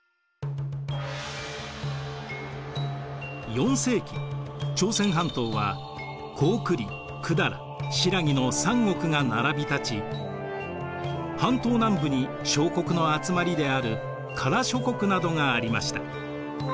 ４世紀朝鮮半島は高句麗百済新羅の三国が並びたち半島南部に小国の集まりである加羅諸国などがありました。